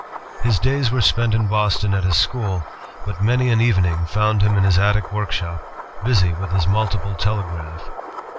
His days were spent in Boston at his school, but many an evening found him in his attic workshop, busy with his multiple telegraph.